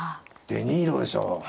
デ・ニーロでしょ。